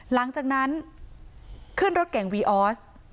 หลังจากนั้นขึ้นรถเก่งวีออส